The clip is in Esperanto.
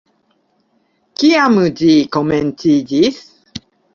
Kiam ĝi komenciĝis?